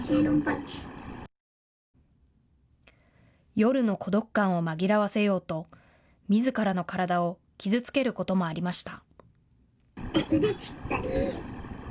夜の孤独感を紛らわせようとみずからの体を傷つけることもありました。